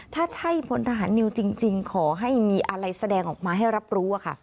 ถ้าใช่พลทหารนิวจริงขอให้มีอะไรแสดงออกมาให้รับรู้